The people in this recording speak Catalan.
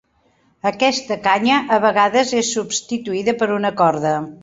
Aquesta canya, a vegades, és substituïda per una corda.